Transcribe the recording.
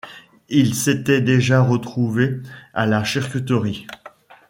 Ils s’étaient déjà retrouvés à la charcuterie.